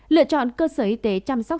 lựa chọn cơ sở y tế chăm sóc